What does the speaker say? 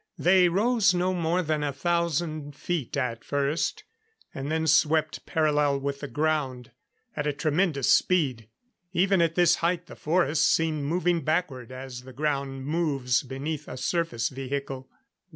They rose no more than a thousand feet at first, and then swept parallel with the ground. At a tremendous speed; even at this height the forests seemed moving backward as the ground moves beneath a surface vehicle.